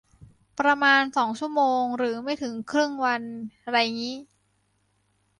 ประมาณสองชั่วโมงหรือไม่ถึงครึ่งวันไรงี้